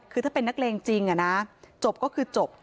คือถ้าเป็นนักเลงจริงจบก็คือจบ